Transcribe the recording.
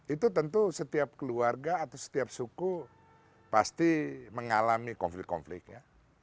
itu tentu setiap keluarga atau setiap suku pasti mengalami konflik konfliknya